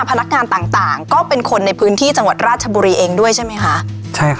พนักงานต่างต่างก็เป็นคนในพื้นที่จังหวัดราชบุรีเองด้วยใช่ไหมคะใช่ครับ